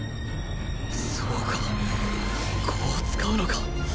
そうかこう使うのか！